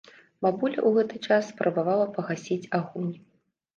Бабуля ў гэты час спрабавала пагасіць агонь.